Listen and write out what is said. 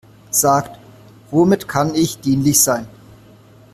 Sagt, womit kann ich dienlich sein?